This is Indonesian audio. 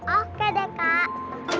oke deh kak